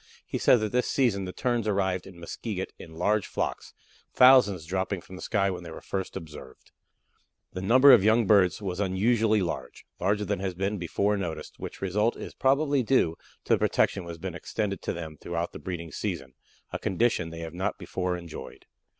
He says that this season the Terns arrived at Muskeget in large flocks, thousands dropping from the sky when they were first observed. The number of young birds was unusually large, larger than has been before noticed, which result is probably due to the protection which has been extended to them throughout the breeding season, a condition they have not before enjoyed.